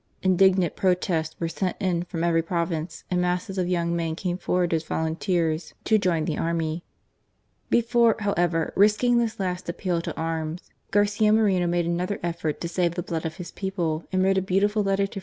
Indig nant protests were sent in from every province, and masses of young men came forward as volunteers to join the army. Before, however, risking this last appeal to arms, Garcia Moreno made another effort to save the blood of his people, and wrote a beautiful letter to 92 GARCIA MORENO.